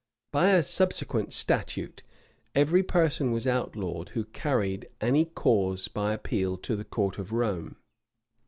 [*] By a subsequent statute, every person was outlawed who carried any cause by appeal to the court of Rome.